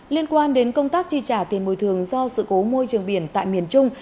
liên quan đến công tác chi trả tiền bồi thường do sự cố môi trường biển tại miền trung